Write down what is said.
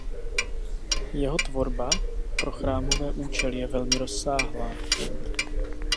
Jeho tvorba pro chrámové účely je velmi rozsáhlá.